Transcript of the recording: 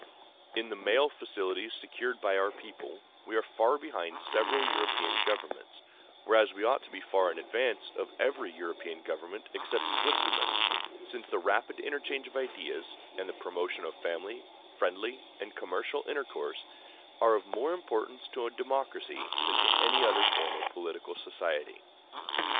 In the mail facilities secured to our people, we are far behind several European governments, whereas we ought to be far in advance of every European government except Switzerland, since the rapid interchange of ideas, and the promotion of family, friendly, and commercial intercourse, are of more importance to a democracy than to any other form of political society.